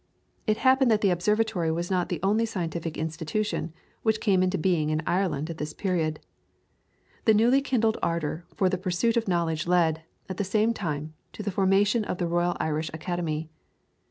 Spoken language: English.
It happened that the observatory was not the only scientific institution which came into being in Ireland at this period; the newly kindled ardour for the pursuit of knowledge led, at the same time, to the foundation of the Royal Irish Academy.